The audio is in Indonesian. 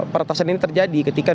peretasan ini terjadi ketika